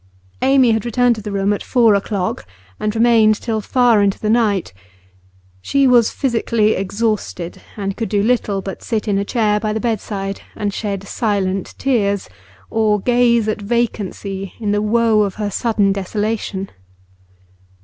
Amy had returned to the room at four o'clock, and remained till far into the night; she was physically exhausted, and could do little but sit in a chair by the bedside and shed silent tears, or gaze at vacancy in the woe of her sudden desolation.